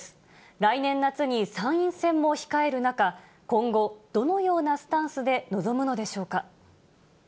来年夏に参院選も控える中、今後、どのようなスタンスで臨むのでしょうか。